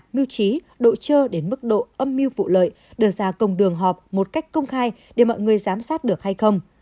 mưu trí độ trơ đến mức độ âm mưu vụ lợi đưa ra công đường họp một cách công khai để mọi người giám sát được hay không